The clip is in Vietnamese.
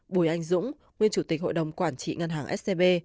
bùi anh dũng nguyên chủ tịch hội đồng quản trị ngân hàng scb